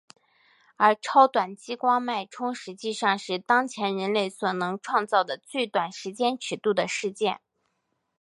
而超短激光脉冲实际上是当前人类所能创造的最短时间尺度的事件。